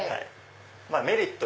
メリット